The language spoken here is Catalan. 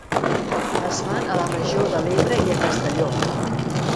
Es fan a la regió de l’Ebre i a Castelló.